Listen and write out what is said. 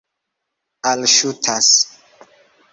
alŝutas